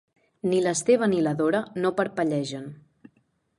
Ni l'Esteve ni la Dora no parpellegen.